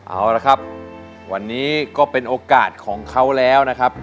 เอาละครับวันนี้ก็เป็นโอกาสของเขาแล้วนะครับ